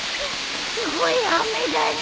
すごい雨だね。